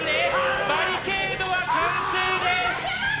バリケードは完成です。